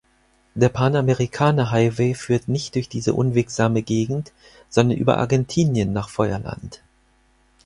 Der Panamericana-Highway führt nicht durch diese unwegsame Gegend, sondern über Argentinien nach Feuerland.